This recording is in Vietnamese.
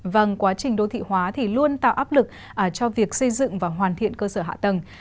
vâng quá trình đô thị hóa thì luôn tạo áp lực cho việc xây dựng và hoàn thiện cơ sở hạ tầng